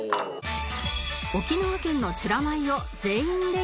沖縄県の美ら米を全員で頂きます